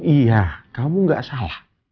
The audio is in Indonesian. iya kamu gak salah